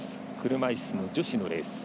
車いすの女子のレース。